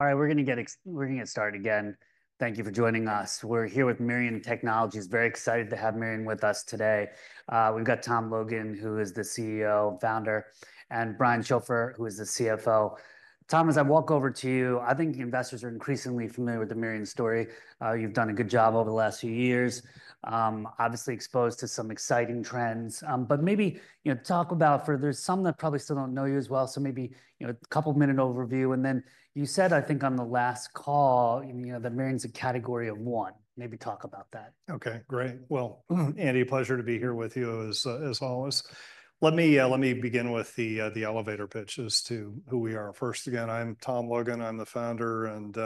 All right, we're going to get started again. Thank you for joining us. We're here with Mirion Technologies. Very excited to have Mirion with us today. We've got Tom Logan, who is the CEO and founder, and Brian Schopfer, who is the CFO. Tom, as I walk over to you, I think investors are increasingly familiar with the Mirion story. You've done a good job over the last few years, obviously exposed to some exciting trends. But maybe talk about, for there's some that probably still don't know you as well. So maybe a couple of minute overview. And then you said, I think on the last call, you know that Mirion's a category of one. Maybe talk about that. Okay, great. Well, Andy, pleasure to be here with you, as always. Let me begin with the elevator pitch as to who we are. First, again, I'm Tom Logan. I'm the founder and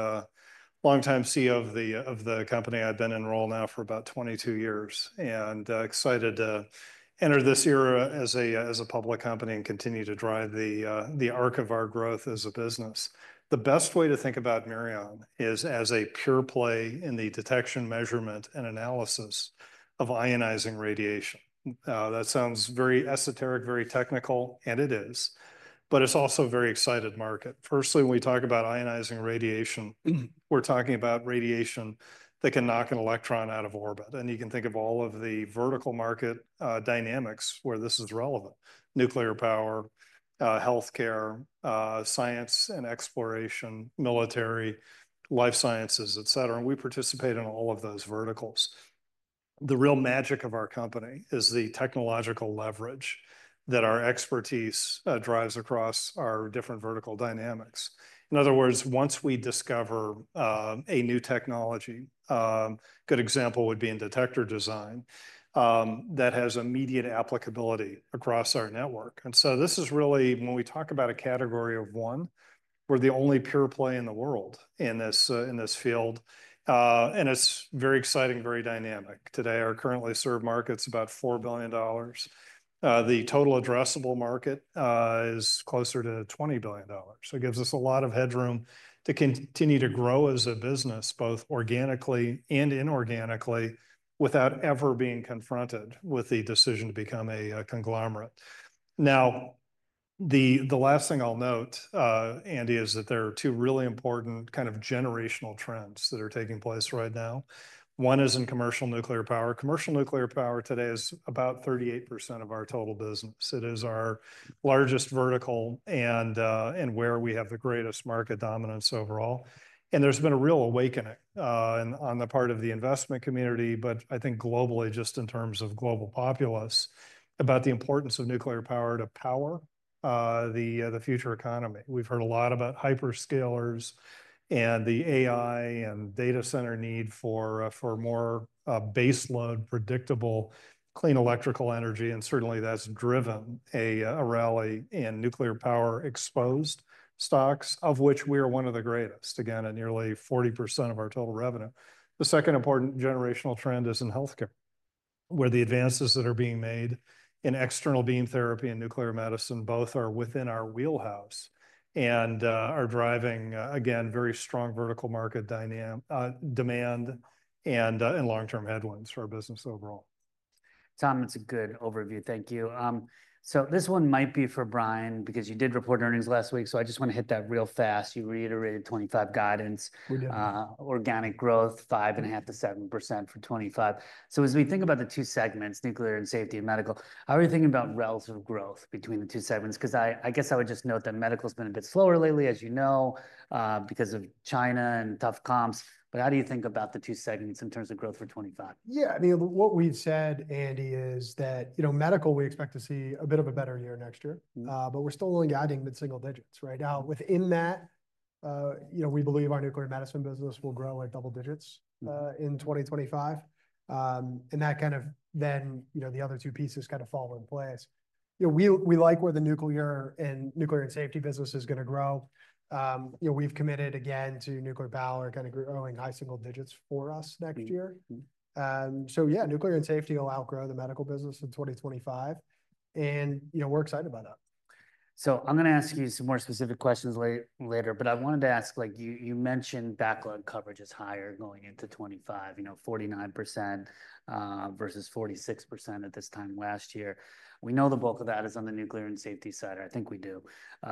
longtime CEO of the company. I've been in role now for about 22 years and excited to enter this era as a public company and continue to drive the arc of our growth as a business. The best way to think about Mirion is as a pure play in the detection, measurement, and analysis of ionizing radiation. That sounds very esoteric, very technical, and it is. But it's also a very exciting market. Firstly, when we talk about ionizing radiation, we're talking about radiation that can knock an electron out of orbit. And you can think of all of the vertical market dynamics where this is relevant: nuclear power, healthcare, science and exploration, military, life sciences, etc. We participate in all of those verticals. The real magic of our company is the technological leverage that our expertise drives across our different vertical dynamics. In other words, once we discover a new technology, a good example would be in detector design that has immediate applicability across our network. And so this is really, when we talk about a category of one, we're the only pure play in the world in this field. And it's very exciting, very dynamic. Today, our currently served market's about $4 billion. The total addressable market is closer to $20 billion. So it gives us a lot of headroom to continue to grow as a business, both organically and inorganically, without ever being confronted with the decision to become a conglomerate. Now, the last thing I'll note, Andy, is that there are two really important kind of generational trends that are taking place right now. One is in commercial nuclear power. Commercial nuclear power today is about 38% of our total business. It is our largest vertical and where we have the greatest market dominance overall, and there's been a real awakening on the part of the investment community, but I think globally, just in terms of global populace, about the importance of nuclear power to power the future economy. We've heard a lot about hyperscalers and the AI and data center need for more baseload, predictable, clean electrical energy, and certainly, that's driven a rally in nuclear power exposed stocks, of which we are one of the greatest, again, at nearly 40% of our total revenue. The second important generational trend is in healthcare, where the advances that are being made in external beam therapy and nuclear medicine both are within our wheelhouse and are driving, again, very strong vertical market demand and long-term headwinds for our business overall. Tom, that's a good overview. Thank you. So this one might be for Brian because you did report earnings last week. So I just want to hit that real fast. You reiterated 2025 guidance, organic growth 5.5%-7% for 2025. So as we think about the two segments, Nuclear and Safety and Medical, how are you thinking about relative growth between the two segments? Because I guess I would just note that Medical's been a bit slower lately, as you know, because of China and tough comps. But how do you think about the two segments in terms of growth for 2025? Yeah, I mean, what we've said, Andy, is that, you know, Medical, we expect to see a bit of a better year next year, but we're still only adding mid-single digits. Right now, within that, you know, we believe our nuclear medicine business will grow at double digits in 2025. And that kind of then, you know, the other two pieces kind of fall in place. You know, we like where the Nuclear and Safety business is going to grow. You know, we've committed again to nuclear power kind of growing high single digits for us next year. So yeah, Nuclear and Safety will outgrow the Medical business in 2025. And, you know, we're excited about that. So, I'm going to ask you some more specific questions later, but I wanted to ask, like, you mentioned backlog coverage is higher going into 2025, you know, 49% versus 46% at this time last year. We know the bulk of that is on the Nuclear and Safety side. I think we do.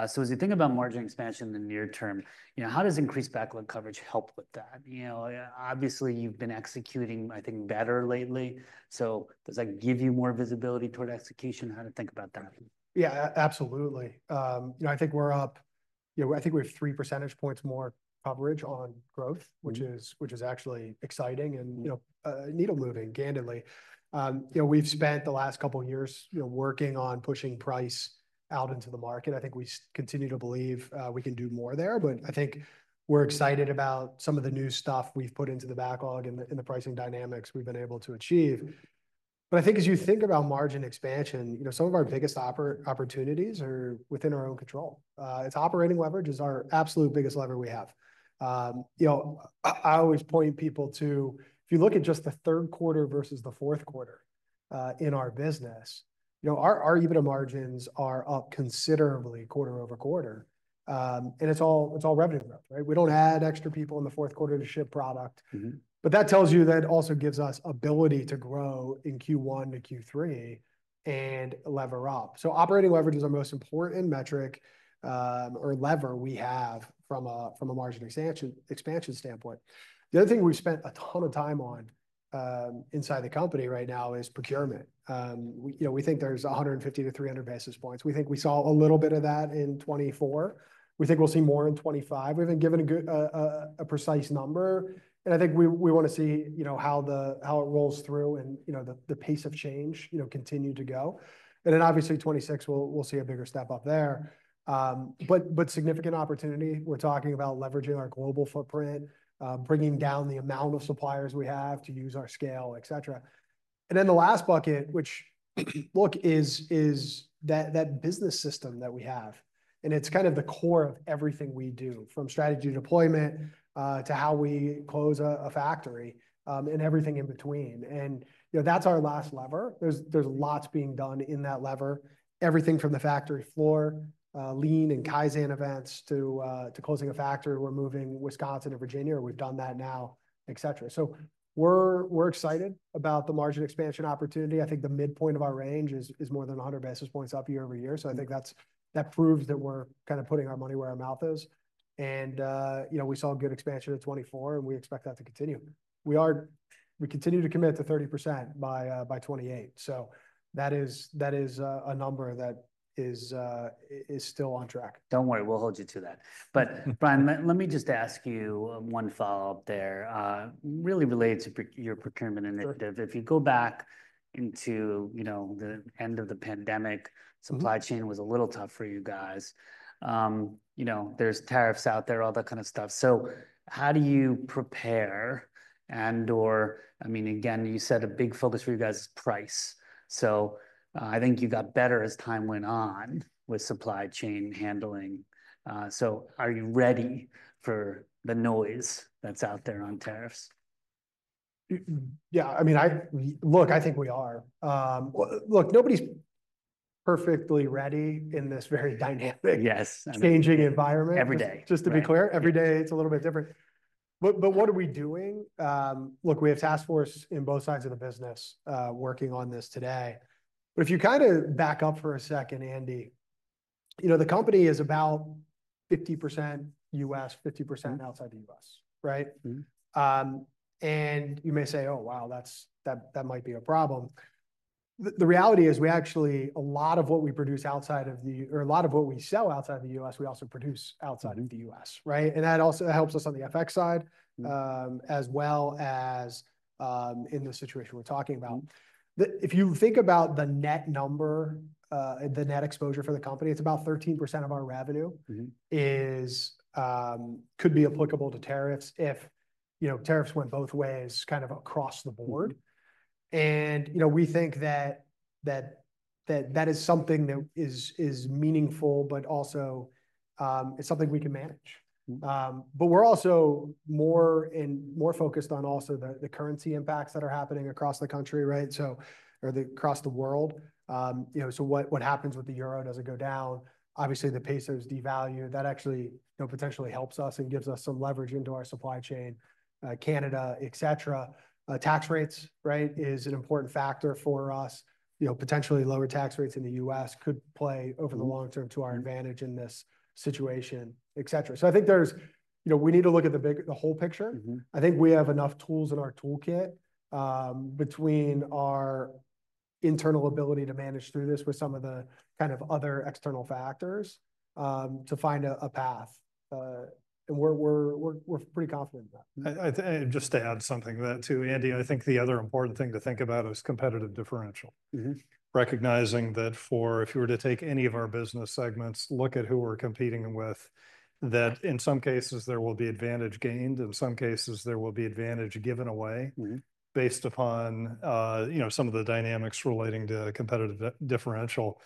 So as you think about margin expansion in the near term, you know, how does increased backlog coverage help with that? You know, obviously, you've been executing, I think, better lately. So does that give you more visibility toward execution? How to think about that? Yeah, absolutely. You know, I think we're up, you know, I think we have three percentage points more coverage on growth, which is actually exciting and, you know, needle moving candidly. You know, we've spent the last couple of years, you know, working on pushing price out into the market. I think we continue to believe we can do more there. But I think we're excited about some of the new stuff we've put into the backlog and the pricing dynamics we've been able to achieve. But I think as you think about margin expansion, you know, some of our biggest opportunities are within our own control. It's operating leverage is our absolute biggest lever we have. You know, I always point people to, if you look at just the third quarter versus the fourth quarter in our business, you know, our EBITDA margins are up considerably quarter over quarter. It's all revenue growth, right? We don't add extra people in the fourth quarter to ship product. That tells you that also gives us ability to grow in Q1 to Q3 and lever up. Operating leverage is our most important metric or lever we have from a margin expansion standpoint. The other thing we've spent a ton of time on inside the company right now is procurement. You know, we think there's 150 basis points-300 basis points. We think we saw a little bit of that in 2024. We think we'll see more in 2025. We haven't given a precise number. I think we want to see, you know, how it rolls through and, you know, the pace of change, you know, continue to go. Then obviously 2026, we'll see a bigger step up there. Significant opportunity. We're talking about leveraging our global footprint, bringing down the amount of suppliers we have to use our scale, etc., and then the last bucket, which, look, is that business system that we have, and it's kind of the core of everything we do, from strategy deployment to how we close a factory and everything in between, and, you know, that's our last lever. There's lots being done in that lever. Everything from the factory floor, Lean and Kaizen events to closing a factory where we're moving Wisconsin to Virginia, or we've done that now, etc., so we're excited about the margin expansion opportunity. I think the midpoint of our range is more than 100 basis points up year over year, so I think that proves that we're kind of putting our money where our mouth is. And, you know, we saw good expansion in 2024, and we expect that to continue. We continue to commit to 30% by 2028. So that is a number that is still on track. Don't worry, we'll hold you to that. But Brian, let me just ask you one follow-up there, really related to your procurement initiative. If you go back into, you know, the end of the pandemic, supply chain was a little tough for you guys. You know, there's tariffs out there, all that kind of stuff. So how do you prepare and/or, I mean, again, you said a big focus for you guys is price. So I think you got better as time went on with supply chain handling. So are you ready for the noise that's out there on tariffs? Yeah, I mean, look, I think we are. Look, nobody's perfectly ready in this very dynamic. Yes. Changing environment. Every day. Just to be clear, every day it's a little bit different. But what are we doing? Look, we have task force in both sides of the business working on this today. But if you kind of back up for a second, Andy, you know, the company is about 50% U.S., 50% outside the U.S., right? And you may say, "Oh, wow, that might be a problem." The reality is we actually, a lot of what we produce outside of the, or a lot of what we sell outside of the U.S., we also produce outside of the U.S., right? And that also helps us on the FX side as well as in the situation we're talking about. If you think about the net number, the net exposure for the company, it's about 13% of our revenue could be applicable to tariffs if, you know, tariffs went both ways, kind of across the board. And, you know, we think that that is something that is meaningful, but also it's something we can manage. But we're also more and more focused on also the currency impacts that are happening across the country, right? So, or across the world, you know, so what happens with the euro? Does it go down? Obviously, the peso's devalued. That actually, you know, potentially helps us and gives us some leverage into our supply chain. Canada, etc. Tax rates, right, is an important factor for us. You know, potentially lower tax rates in the U.S. could play over the long term to our advantage in this situation, etc. So I think there's, you know, we need to look at the whole picture. I think we have enough tools in our toolkit between our internal ability to manage through this with some of the kind of other external factors to find a path. And we're pretty confident in that. Just to add something to that too, Andy, I think the other important thing to think about is competitive differential. Recognizing that for, if you were to take any of our business segments, look at who we're competing with, that in some cases there will be advantage gained, in some cases there will be advantage given away based upon, you know, some of the dynamics relating to competitive differential.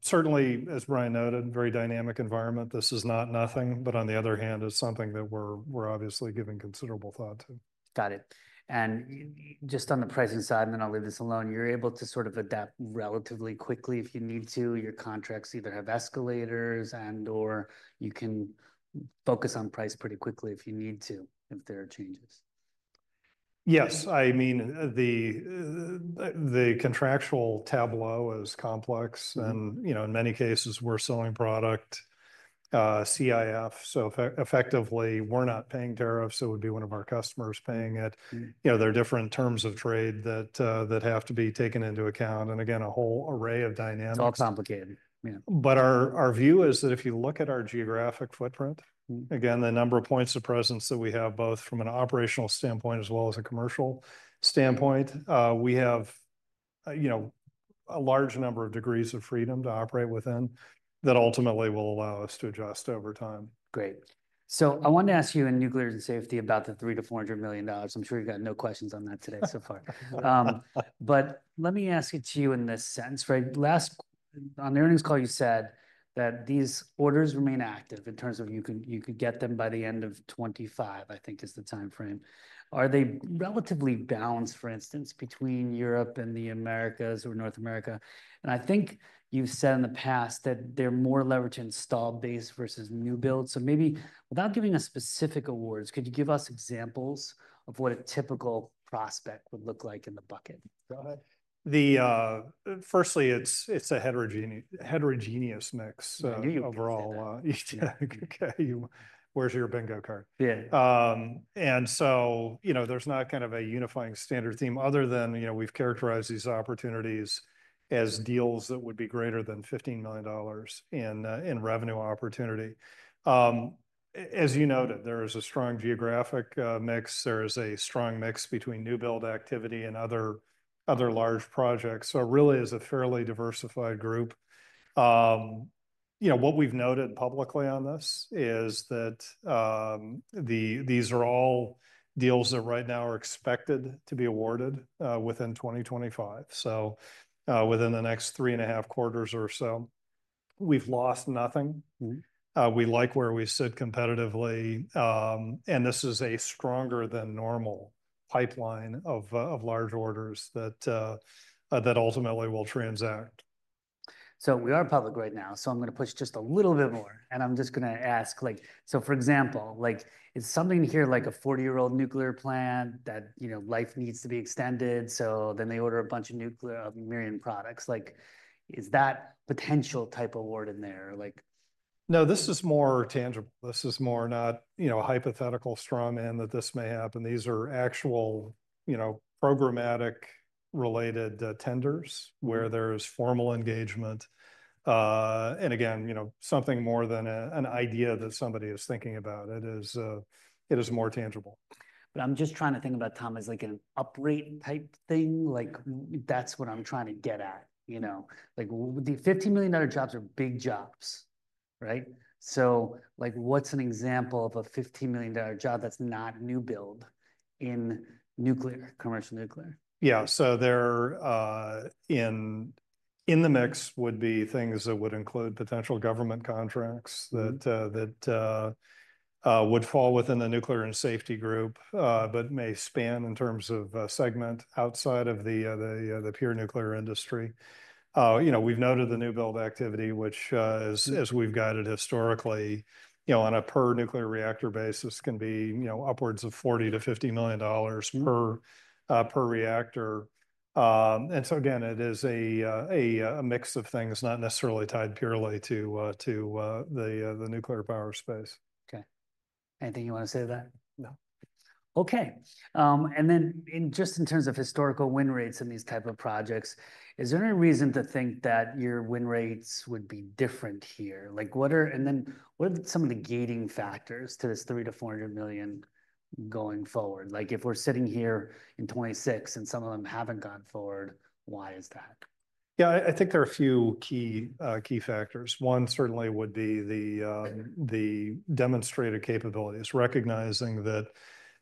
Certainly, as Brian noted, very dynamic environment. This is not nothing, but on the other hand, it's something that we're obviously giving considerable thought to. Got it. And just on the pricing side, and then I'll leave this alone, you're able to sort of adapt relatively quickly if you need to. Your contracts either have escalators and/or you can focus on price pretty quickly if you need to, if there are changes. Yes. I mean, the contractual tableau is complex. And, you know, in many cases, we're selling product CIF. So effectively, we're not paying tariffs, so it would be one of our customers paying it. You know, there are different terms of trade that have to be taken into account. And again, a whole array of dynamics. It's all complicated. Yeah. But our view is that if you look at our geographic footprint, again, the number of points of presence that we have, both from an operational standpoint as well as a commercial standpoint, we have, you know, a large number of degrees of freedom to operate within that ultimately will allow us to adjust over time. Great. So I wanted to ask you in nuclear and safety about the $300 million-$400 million. I'm sure you've got no questions on that today so far. But let me ask it to you in this sense, right? Last, on the earnings call, you said that these orders remain active in terms of you could get them by the end of 2025, I think is the timeframe. Are they relatively balanced, for instance, between Europe and the Americas or North America? And I think you've said in the past that they're more leveraged in installed base versus new builds. So maybe without giving us specific awards, could you give us examples of what a typical prospect would look like in the bucket? Go ahead. Firstly, it's a heterogeneous mix overall. Where's your bingo card? And so, you know, there's not kind of a unifying standard theme other than, you know, we've characterized these opportunities as deals that would be greater than $15 million in revenue opportunity. As you noted, there is a strong geographic mix. There is a strong mix between new build activity and other large projects. So it really is a fairly diversified group. You know, what we've noted publicly on this is that these are all deals that right now are expected to be awarded within 2025. So within the next three and a half quarters or so, we've lost nothing. We like where we sit competitively. And this is a stronger than normal pipeline of large orders that ultimately will transact. So, we are public right now. So, I'm going to push just a little bit more. And I'm just going to ask, like, so for example, like, is something here like a 40-year-old nuclear plant that, you know, life needs to be extended? So then they order a bunch of Mirion products. Like, is that potential type award in there? Like. No, this is more tangible. This is more, not, you know, a hypothetical drum in that this may happen. These are actual, you know, programmatic related tenders where there's formal engagement. And again, you know, something more than an idea that somebody is thinking about. It is more tangible. But I'm just trying to think about Tom as like an uprate type thing. Like, that's what I'm trying to get at, you know. Like, the $15 million jobs are big jobs, right? So like, what's an example of a $15 million job that's not new build in nuclear, commercial nuclear? Yeah. So there in the mix would be things that would include potential government contracts that would fall within the nuclear and safety group, but may span in terms of segment outside of the pure nuclear industry. You know, we've noted the new build activity, which, as we've guided historically, you know, on a per nuclear reactor basis can be, you know, upwards of $40 million-$50 million per reactor. And so again, it is a mix of things not necessarily tied purely to the nuclear power space. Okay. Anything you want to say to that? No. Okay. And then just in terms of historical win rates in these type of projects, is there any reason to think that your win rates would be different here? Like, what are, and then what are some of the gating factors to this $300 million-$400 million going forward? Like, if we're sitting here in 2026 and some of them haven't gone forward, why is that? Yeah, I think there are a few key factors. One certainly would be the demonstrated capabilities, recognizing that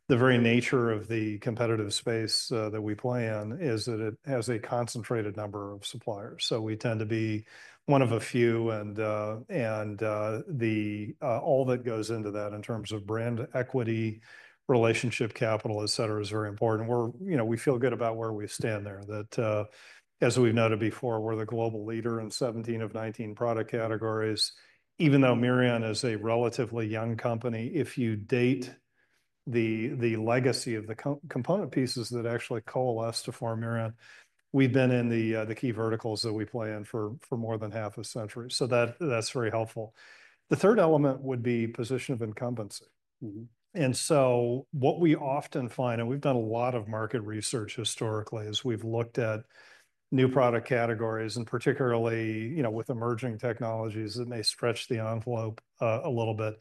the very nature of the competitive space that we play in is that it has a concentrated number of suppliers. So we tend to be one of a few. And all that goes into that in terms of brand equity, relationship capital, etc., is very important. We're, you know, we feel good about where we stand there. That, as we've noted before, we're the global leader in 17 of 19 product categories. Even though Mirion is a relatively young company, if you date the legacy of the component pieces that actually coalesced to form Mirion, we've been in the key verticals that we play in for more than half a century. So that's very helpful. The third element would be position of incumbency. And so what we often find, and we've done a lot of market research historically, is we've looked at new product categories and particularly, you know, with emerging technologies that may push the envelope a little bit.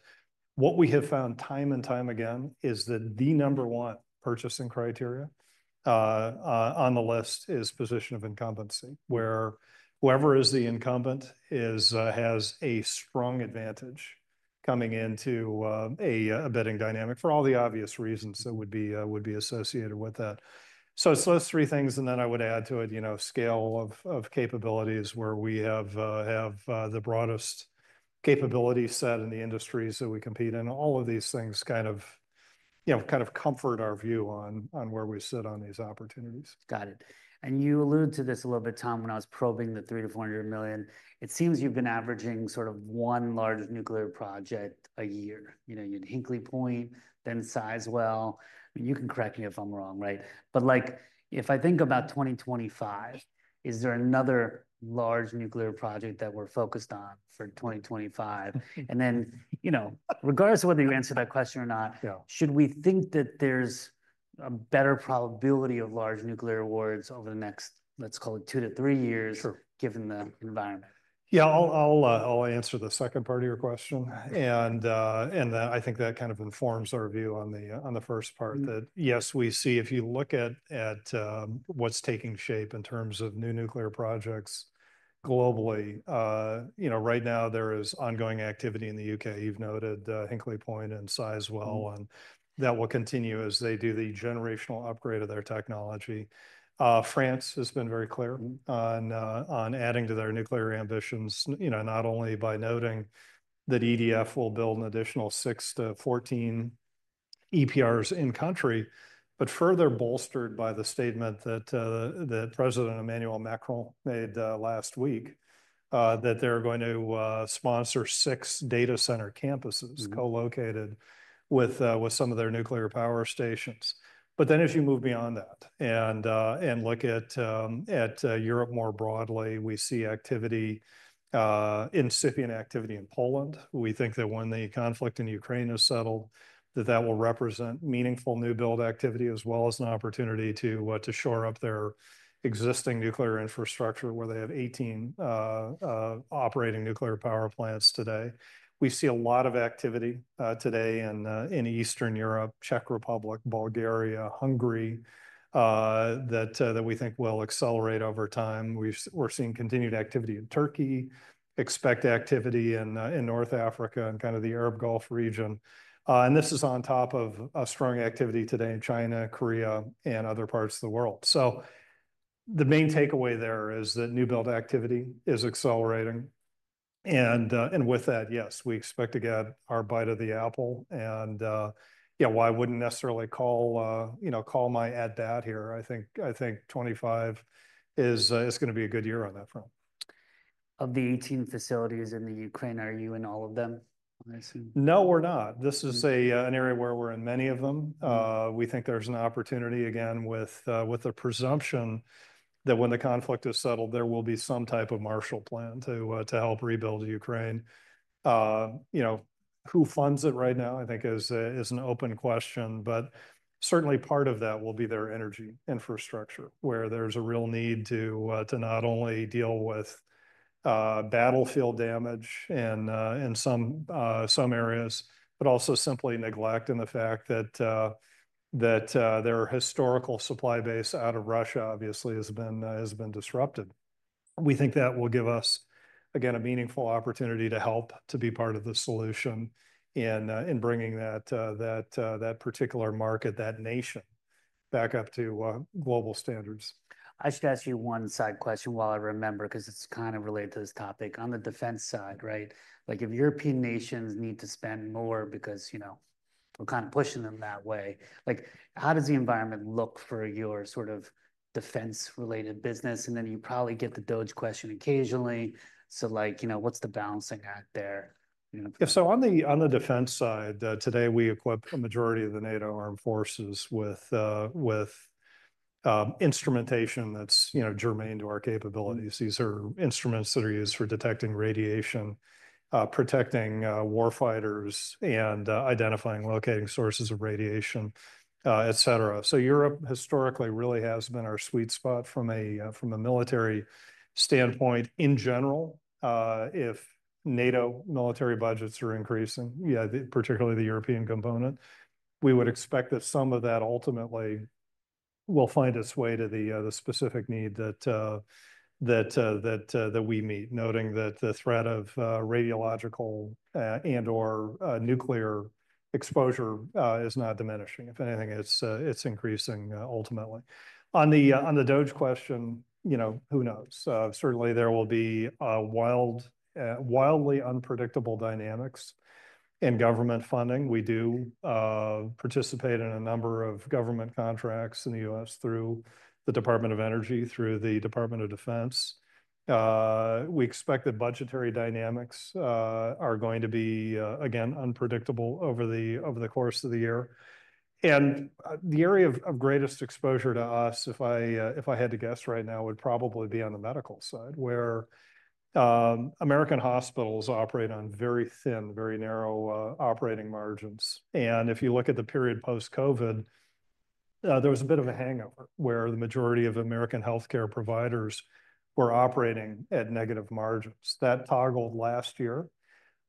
What we have found time and time again is that the number one purchasing criteria on the list is position of incumbency, where whoever is the incumbent has a strong advantage coming into a bidding dynamic for all the obvious reasons that would be associated with that. So it's those three things. And then I would add to it, you know, scale of capabilities where we have the broadest capability set in the industries that we compete in. All of these things kind of, you know, kind of comfort our view on where we sit on these opportunities. Got it. And you alluded to this a little bit, Tom, when I was probing the $300 million-$400 million. It seems you've been averaging sort of one large nuclear project a year. You know, you'd Hinkley Point, then Sizewell. You can correct me if I'm wrong, right? But like, if I think about 2025, is there another large nuclear project that we're focused on for 2025? And then, you know, regardless of whether you answer that question or not, should we think that there's a better probability of large nuclear awards over the next, let's call it two to three years, given the environment? Yeah, I'll answer the second part of your question, and I think that kind of informs our view on the first part that, yes, we see if you look at what's taking shape in terms of new nuclear projects globally, you know, right now there is ongoing activity in the UK. You've noted Hinkley Point and Sizewell, and that will continue as they do the generational upgrade of their technology. France has been very clear on adding to their nuclear ambitions, you know, not only by noting that EDF will build an additional six to 14 EPRs in country, but further bolstered by the statement that President Emmanuel Macron made last week that they're going to sponsor six data center campuses co-located with some of their nuclear power stations, but then if you move beyond that and look at Europe more broadly, we see activity, incipient activity in Poland. We think that when the conflict in Ukraine is settled, that that will represent meaningful new build activity as well as an opportunity to shore up their existing nuclear infrastructure where they have 18 operating nuclear power plants today. We see a lot of activity today in Eastern Europe, Czech Republic, Bulgaria, Hungary that we think will accelerate over time. We're seeing continued activity in Turkey, expect activity in North Africa and kind of the Arab Gulf region. And this is on top of a strong activity today in China, Korea, and other parts of the world, so the main takeaway there is that new build activity is accelerating, and with that, yes, we expect to get our bite of the apple, and yeah, why wouldn't necessarily call, you know, call my at bat here? I think 2025 is going to be a good year on that front. Of the 18 facilities in the Ukraine, are you in all of them? No, we're not. This is an area where we're in many of them. We think there's an opportunity again with the presumption that when the conflict is settled, there will be some type of Marshall Plan to help rebuild Ukraine. You know, who funds it right now, I think, is an open question. But certainly part of that will be their energy infrastructure, where there's a real need to not only deal with battlefield damage in some areas, but also simply neglecting the fact that their historical supply base out of Russia obviously has been disrupted. We think that will give us, again, a meaningful opportunity to help to be part of the solution in bringing that particular market, that nation back up to global standards. I should ask you one side question while I remember, because it's kind of related to this topic. On the defense side, right? Like if European nations need to spend more because, you know, we're kind of pushing them that way, like how does the environment look for your sort of defense-related business? And then you probably get the DOGE question occasionally. So like, you know, what's the balancing act there? Yeah. So on the defense side, today we equip a majority of the NATO armed forces with instrumentation that's, you know, germane to our capabilities. These are instruments that are used for detecting radiation, protecting war fighters, and identifying and locating sources of radiation, etc. Europe historically really has been our sweet spot from a military standpoint in general. If NATO military budgets are increasing, yeah, particularly the European component, we would expect that some of that ultimately will find its way to the specific need that we meet, noting that the threat of radiological and/or nuclear exposure is not diminishing. If anything, it's increasing ultimately. On the DOGE question, you know, who knows? Certainly there will be wildly unpredictable dynamics in government funding. We do participate in a number of government contracts in the U.S. through the Department of Energy, through the Department of Defense. We expect that budgetary dynamics are going to be, again, unpredictable over the course of the year. And the area of greatest exposure to us, if I had to guess right now, would probably be on the medical side, where American hospitals operate on very thin, very narrow operating margins. And if you look at the period post-COVID, there was a bit of a hangover where the majority of American healthcare providers were operating at negative margins. That toggled last year.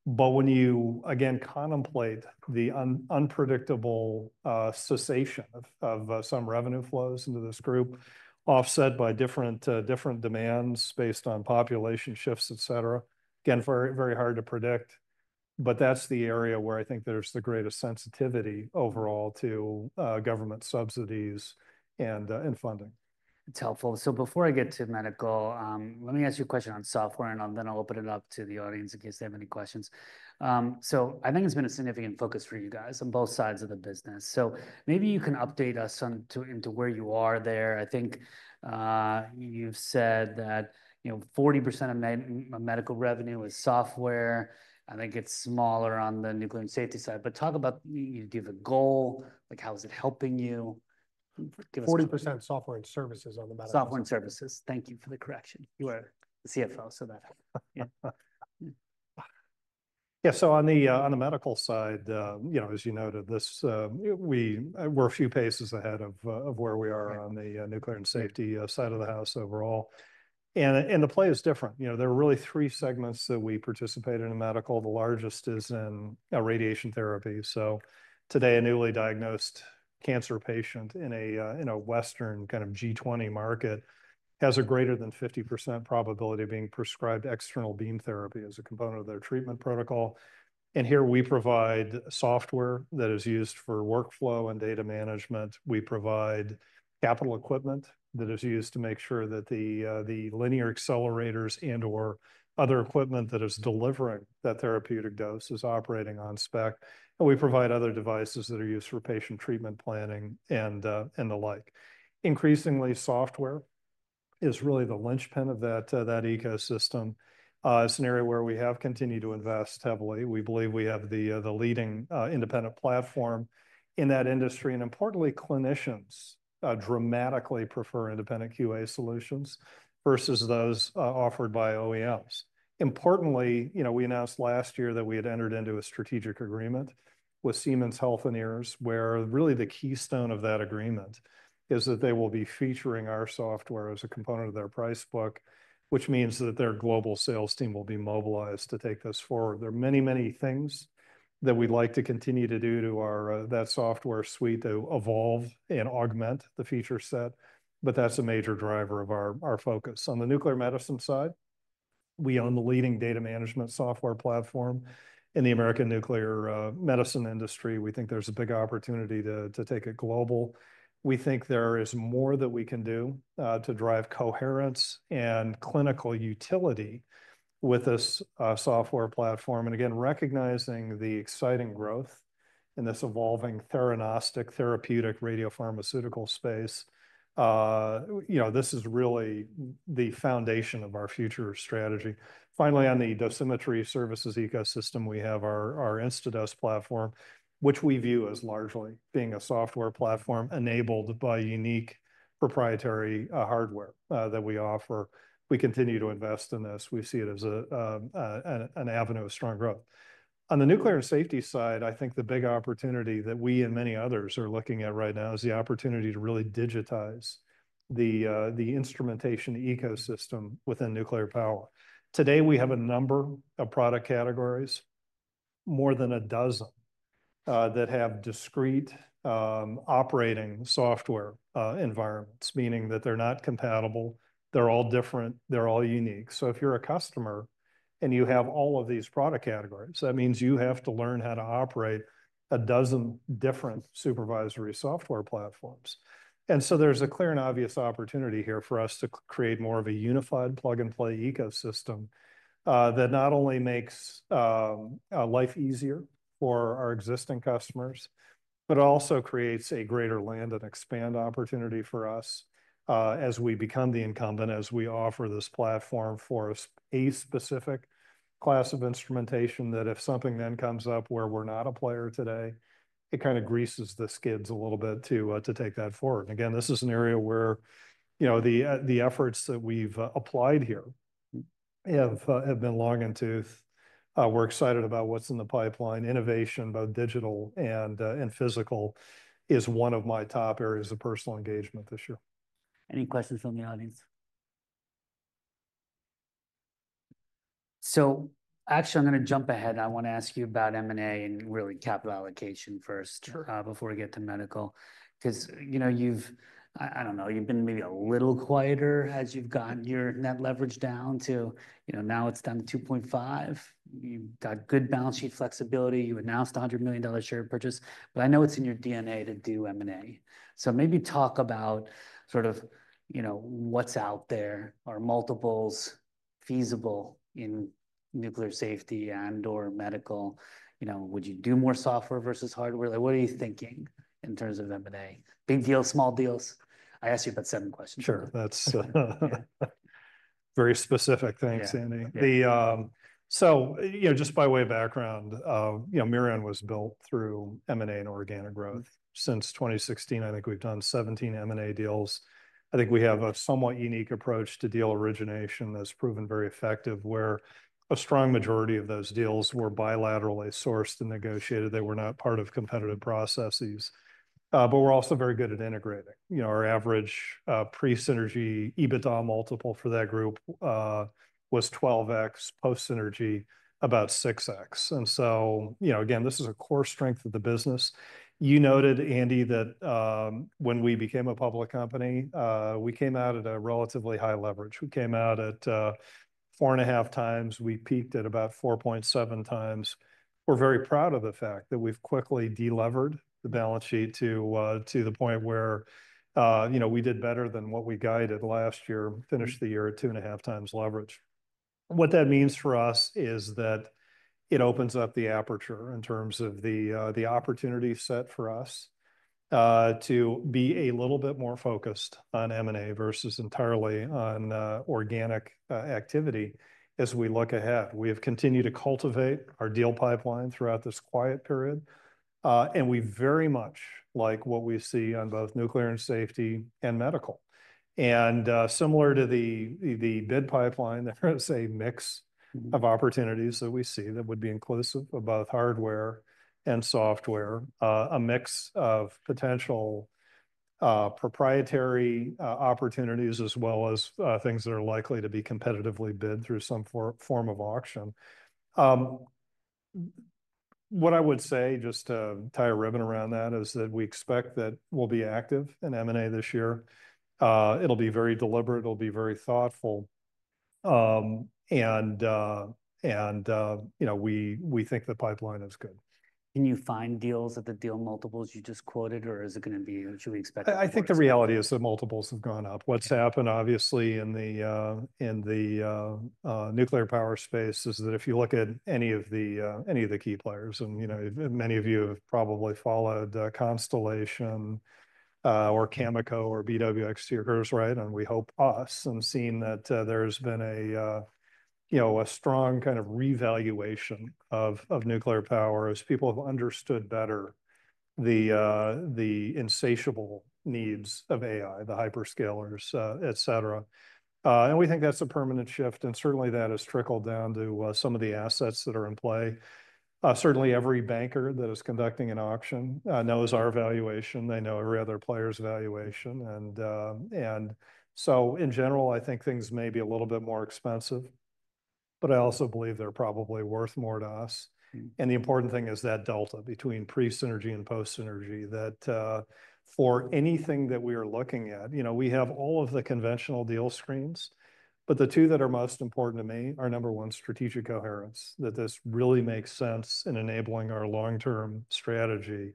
But when you again contemplate the unpredictable cessation of some revenue flows into this group, offset by different demands based on population shifts, etc., again, very hard to predict. But that's the area where I think there's the greatest sensitivity overall to government subsidies and funding. It's helpful. So before I get to medical, let me ask you a question on software, and then I'll open it up to the audience in case they have any questions. So I think it's been a significant focus for you guys on both sides of the business. So maybe you can update us on where you are there. I think you've said that, you know, 40% of medical revenue is software. I think it's smaller on the nuclear and safety side. But talk about, you gave a goal, like how is it helping you? 40% software and services on the medical side. Software and services. Thank you for the correction. You are CFO, so that helps. Yeah. So on the medical side, you know, as you noted, we were a few paces ahead of where we are on the nuclear and safety side of the house overall. And the play is different. You know, there are really three segments that we participate in in medical. The largest is in radiation therapy. So today, a newly diagnosed cancer patient in a Western kind of G20 market has a greater than 50% probability of being prescribed external beam therapy as a component of their treatment protocol. And here we provide software that is used for workflow and data management. We provide capital equipment that is used to make sure that the linear accelerators and/or other equipment that is delivering that therapeutic dose is operating on spec. And we provide other devices that are used for patient treatment planning and the like. Increasingly, software is really the linchpin of that ecosystem. It's an area where we have continued to invest heavily. We believe we have the leading independent platform in that industry, and importantly, clinicians dramatically prefer independent QA solutions versus those offered by OEMs. Importantly, you know, we announced last year that we had entered into a strategic agreement with Siemens Healthineers, where really the keystone of that agreement is that they will be featuring our software as a component of their price book, which means that their global sales team will be mobilized to take this forward. There are many, many things that we'd like to continue to do to that software suite to evolve and augment the feature set, but that's a major driver of our focus. On the nuclear medicine side, we own the leading data management software platform. In the American nuclear medicine industry, we think there's a big opportunity to take it global. We think there is more that we can do to drive coherence and clinical utility with this software platform. And again, recognizing the exciting growth in this evolving theranostic therapeutic radiopharmaceutical space, you know, this is really the foundation of our future strategy. Finally, on the dosimetry services ecosystem, we have our Instadose platform, which we view as largely being a software platform enabled by unique proprietary hardware that we offer. We continue to invest in this. We see it as an avenue of strong growth. On the nuclear and safety side, I think the big opportunity that we and many others are looking at right now is the opportunity to really digitize the instrumentation ecosystem within nuclear power. Today, we have a number of product categories, more than a dozen, that have discrete operating software environments, meaning that they're not compatible. They're all different. They're all unique. So if you're a customer and you have all of these product categories, that means you have to learn how to operate a dozen different supervisory software platforms. And so there's a clear and obvious opportunity here for us to create more of a unified plug-and-play ecosystem that not only makes life easier for our existing customers, but also creates a greater land and expand opportunity for us as we become the incumbent, as we offer this platform for a specific class of instrumentation that if something then comes up where we're not a player today. It kind of greases the skids a little bit to take that forward. And again, this is an area where, you know, the efforts that we've applied here have been long in the tooth. We're excited about what's in the pipeline. Innovation both digital and physical is one of my top areas of personal engagement this year. Any questions from the audience? So actually, I'm going to jump ahead. I want to ask you about M&A and really capital allocation first before we get to medical. Because, you know, you've, I don't know, you've been maybe a little quieter as you've gotten your net leverage down to, you know, now it's down to 2.5. You've got good balance sheet flexibility. You announced a $100 million share purchase. But I know it's in your DNA to do M&A. So maybe talk about sort of, you know, what's out there? Are multiples feasible in nuclear safety and/or medical? You know, would you do more software versus hardware? Like, what are you thinking in terms of M&A? Big deals, small deals? I asked you about seven questions. Sure. That's very specific. Thanks, Andy. So, you know, just by way of background, you know, Mirion was built through M&A and organic growth. Since 2016, I think we've done 17 M&A deals. I think we have a somewhat unique approach to deal origination that's proven very effective, where a strong majority of those deals were bilaterally sourced and negotiated. They were not part of competitive processes. But we're also very good at integrating. You know, our average pre-synergy EBITDA multiple for that group was 12X, post-synergy about 6X. And so, you know, again, this is a core strength of the business. You noted, Andy, that when we became a public company, we came out at a relatively high leverage. We came out at 4.5x. We peaked at about 4.7x. We're very proud of the fact that we've quickly delivered the balance sheet to the point where, you know, we did better than what we guided last year, finished the year at two and a half times leverage. What that means for us is that it opens up the aperture in terms of the opportunity set for us to be a little bit more focused on M&A versus entirely on organic activity as we look ahead. We have continued to cultivate our deal pipeline throughout this quiet period. And we very much like what we see on both Nuclear and Safety and Medical. And similar to the bid pipeline, there is a mix of opportunities that we see that would be inclusive of both hardware and software, a mix of potential proprietary opportunities as well as things that are likely to be competitively bid through some form of auction. What I would say just to tie a ribbon around that is that we expect that we'll be active in M&A this year. It'll be very deliberate. It'll be very thoughtful, and, you know, we think the pipeline is good. Can you find deals at the deal multiples you just quoted, or is it going to be what you expect? I think the reality is that multiples have gone up. What's happened, obviously, in the nuclear power space is that if you look at any of the key players, and you know, many of you have probably followed Constellation or Cameco or BWX, Curtiss-Wright, and we hope us, and seeing that there's been, you know, a strong kind of revaluation of nuclear power as people have understood better the insatiable needs of AI, the hyperscalers, etc., and we think that's a permanent shift, and certainly that has trickled down to some of the assets that are in play. Certainly every banker that is conducting an auction knows our valuation. They know every other player's valuation, and so in general, I think things may be a little bit more expensive, but I also believe they're probably worth more to us. And the important thing is that delta between pre-synergy and post-synergy that for anything that we are looking at, you know, we have all of the conventional deal screens. But the two that are most important to me are number one, strategic coherence, that this really makes sense in enabling our long-term strategy.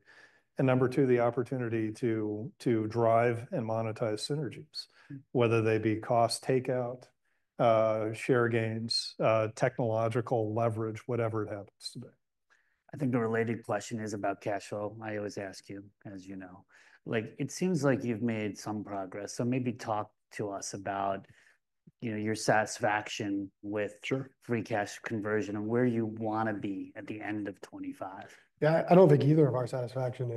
And number two, the opportunity to drive and monetize synergies, whether they be cost takeout, share gains, technological leverage, whatever it happens to be. I think the related question is about cash flow. I always ask you, as you know. Like, it seems like you've made some progress. So maybe talk to us about, you know, your satisfaction with free cash conversion and where you want to be at the end of 2025. Yeah, I don't think either of our satisfaction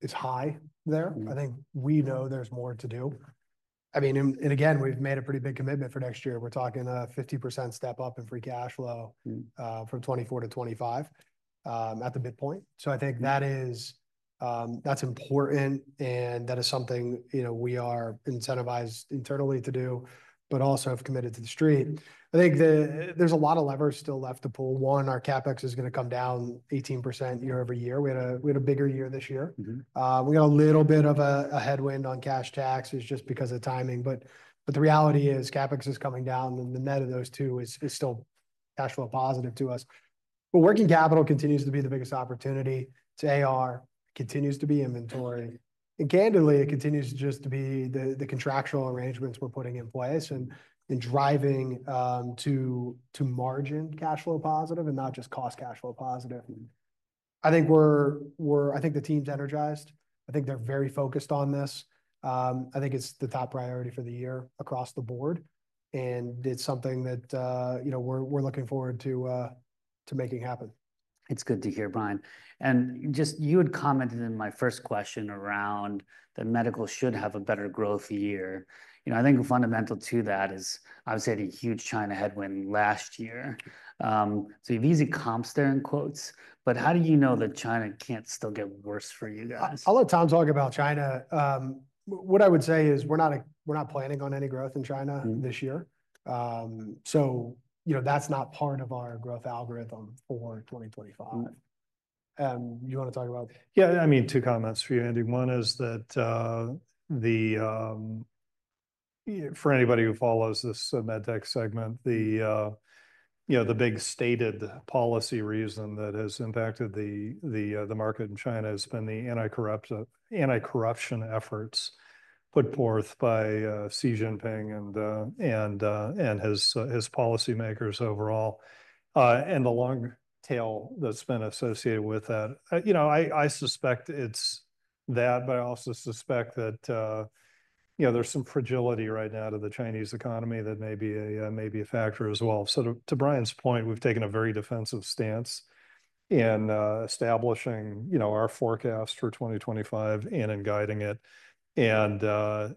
is high there. I think we know there's more to do. I mean, and again, we've made a pretty big commitment for next year. We're talking a 50% step up in free cash flow from 2024 to 2025 at the midpoint. So I think that is, that's important, and that is something, you know, we are incentivized internally to do, but also have committed to the street. I think there's a lot of levers still left to pull. One, our CapEx is going to come down 18% year over year. We had a bigger year this year. We got a little bit of a headwind on cash taxes just because of timing, but the reality is CapEx is coming down, and the net of those two is still cash flow positive to us, but working capital continues to be the biggest opportunity. Today, our focus continues to be inventory. And candidly, it continues to just be the contractual arrangements we're putting in place and driving to margin cash flow positive and not just cost cash flow positive. I think we're, I think the team's energized. I think they're very focused on this. I think it's the top priority for the year across the board and it's something that, you know, we're looking forward to making happen. It's good to hear, Brian. And just, you had commented in my first question around that medical should have a better growth year. You know, I think fundamental to that is there was a huge China headwind last year. So you have easy comps there in quotes. But how do you know that China can't still get worse for you guys? All the time talking about China, what I would say is we're not planning on any growth in China this year. So, you know, that's not part of our growth algorithm for 2025. You want to talk about? Yeah, I mean, two comments for you, Andy. One is that for anybody who follows this med tech segment, the, you know, the big stated policy reason that has impacted the market in China has been the anti-corruption efforts put forth by Xi Jinping and his policymakers overall. And the long tail that's been associated with that, you know, I suspect it's that, but I also suspect that, you know, there's some fragility right now to the Chinese economy that may be a factor as well. So to Brian's point, we've taken a very defensive stance in establishing, you know, our forecast for 2025 and in guiding it. And,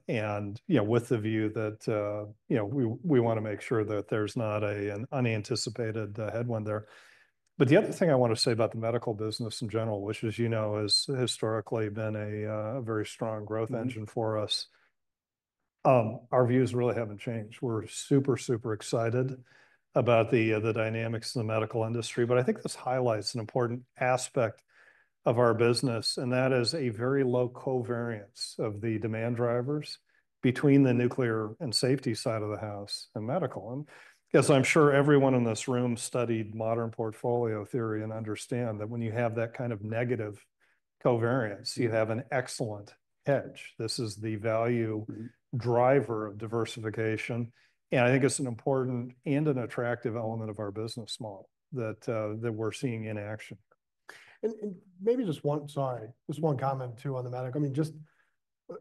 you know, with the view that, you know, we want to make sure that there's not an unanticipated headwind there. But the other thing I want to say about the medical business in general, which is, you know, has historically been a very strong growth engine for us, our views really haven't changed. We're super, super excited about the dynamics in the medical industry. But I think this highlights an important aspect of our business, and that is a very low covariance of the demand drivers between the nuclear and safety side of the house and medical. And because I'm sure everyone in this room studied Modern Portfolio Theory and understand that when you have that kind of negative covariance, you have an excellent hedge. This is the value driver of diversification. And I think it's an important and an attractive element of our business model that we're seeing in action. Maybe just one aside, just one comment too on the medical. I mean, just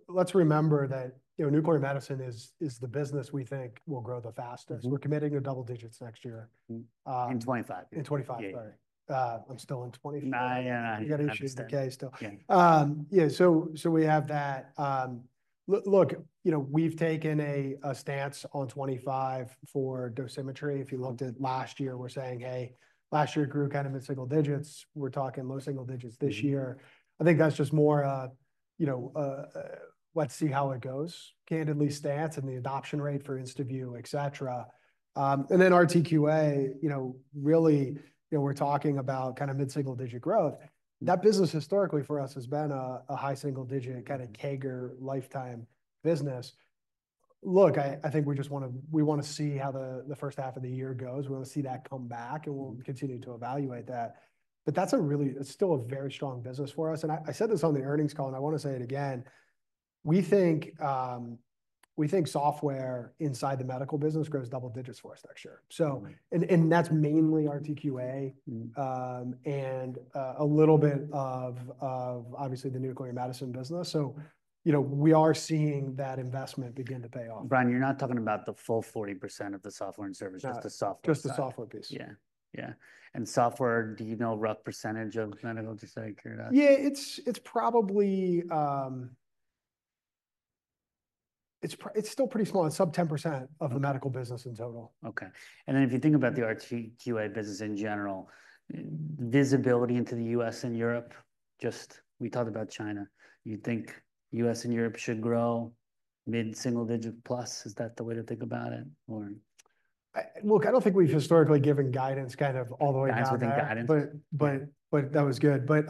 let's remember that, you know, nuclear medicine is the business we think will grow the fastest. We're committing to double digits next year. In 2025. In 2025, sorry. I'm still in 2025. No, no, no. You got to issue the K still. Yeah. So we have that. Look, you know, we've taken a stance on 2025 for dosimetry. If you looked at last year, we're saying, hey, last year grew kind of in single digits. We're talking low single digits this year. I think that's just more, you know, let's see how it goes, candid stance and the adoption rate for Instadose VUE, etc. Then RTQA, you know, really, you know, we're talking about kind of mid-single digit growth. That business historically for us has been a high single digit kind of keeper lifetime business. Look, I think we just want to, we want to see how the first half of the year goes. We want to see that come back and we'll continue to evaluate that. But that's really, it's still a very strong business for us. I said this on the earnings call and I want to say it again. We think software inside the medical business grows double digits for us next year. That's mainly RTQA and a little bit of obviously the nuclear medicine business. You know, we are seeing that investment begin to pay off. Brian, you're not talking about the full 40% of the software and service, just the software. Just the software piece. Yeah. Yeah. And software, do you know rough percentage of medical just to figure it out? Yeah, it's probably, it's still pretty small. It's sub 10% of the medical business in total. Okay. And then if you think about the RTQA business in general, visibility into the U.S. and Europe, just we talked about China. You think U.S. and Europe should grow mid-single digit plus? Is that the way to think about it or? Look, I don't think we've historically given guidance kind of all the way down. I don't think guidance. But that was good. But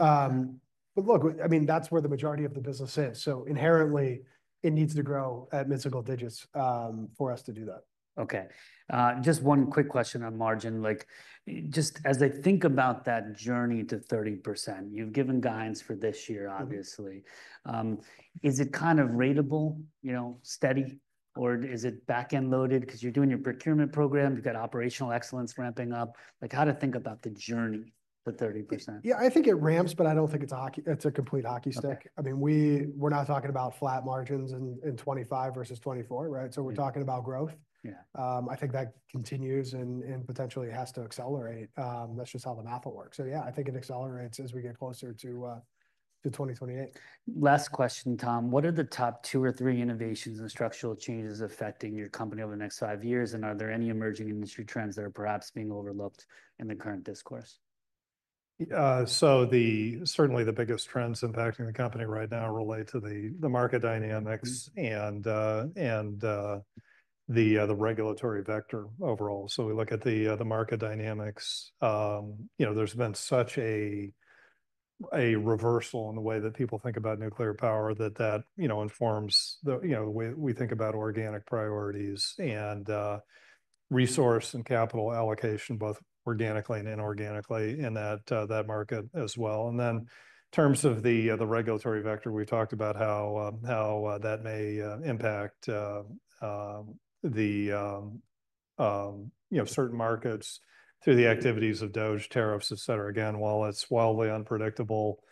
look, I mean, that's where the majority of the business is. So inherently, it needs to grow at mid-single digits for us to do that. Okay. Just one quick question on margin. Like, just as I think about that journey to 30%, you've given guidance for this year, obviously. Is it kind of ratable, you know, steady? Or is it backend loaded? Because you're doing your procurement program, you've got operational excellence ramping up. Like how to think about the journey to 30%? Yeah, I think it ramps, but I don't think it's a complete hockey stick. I mean, we're not talking about flat margins in 2025 versus 2024, right? So we're talking about growth. I think that continues and potentially has to accelerate. That's just how the math will work. So yeah, I think it accelerates as we get closer to 2028. Last question, Tom. What are the top two or three innovations and structural changes affecting your company over the next five years? And are there any emerging industry trends that are perhaps being overlooked in the current discourse? Certainly the biggest trends impacting the company right now relate to the market dynamics and the regulatory vector overall. We look at the market dynamics. You know, there's been such a reversal in the way that people think about nuclear power that, you know, informs the, you know, the way we think about organic priorities and resource and capital allocation, both organically and inorganically in that market as well. In terms of the regulatory vector, we've talked about how that may impact the, you know, certain markets through the activities of DOGE, tariffs, etc. Again, while it's wildly unpredictable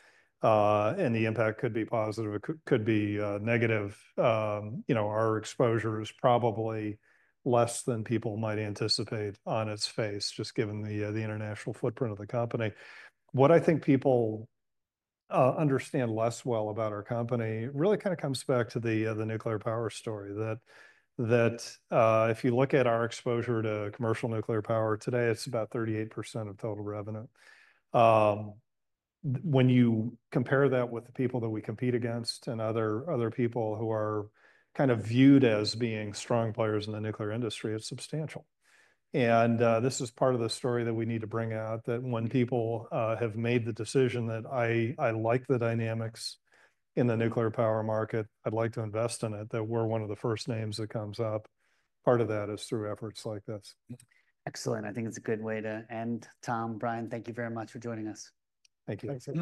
and the impact could be positive, it could be negative. You know, our exposure is probably less than people might anticipate on its face, just given the international footprint of the company. What I think people understand less well about our company really kind of comes back to the nuclear power story that if you look at our exposure to commercial nuclear power today, it's about 38% of total revenue. When you compare that with the people that we compete against and other people who are kind of viewed as being strong players in the nuclear industry, it's substantial. And this is part of the story that we need to bring out that when people have made the decision that I like the dynamics in the nuclear power market, I'd like to invest in it, that we're one of the first names that comes up. Part of that is through efforts like this. Excellent. I think it's a good way to end. Tom, Brian, thank you very much for joining us. Thank you.